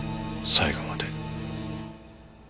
最後まで？